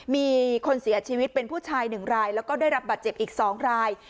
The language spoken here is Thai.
มีคนเสียชีวิตเป็นผู้ชาย๑รายแล้วก็ได้รับบาดเจ็บอีก๒ราย